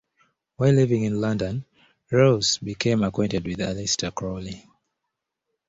While living in London, Reuss became acquainted with Aleister Crowley.